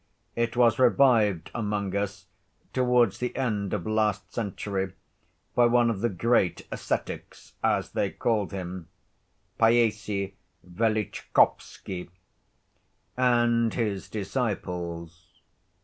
It was revived among us towards the end of last century by one of the great "ascetics," as they called him, Païssy Velitchkovsky, and his disciples.